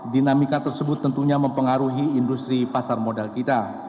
dinamika tersebut tentunya mempengaruhi industri pasar modal kita